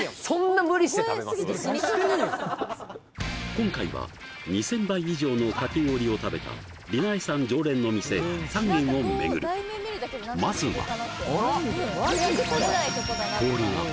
今回は２０００杯以上のかき氷を食べたりなえさん常連の店３軒を巡るまずは９！？